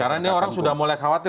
karena ini orang sudah mulai khawatir